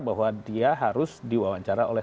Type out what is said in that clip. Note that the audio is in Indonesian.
bahwa dia harus diwawancara oleh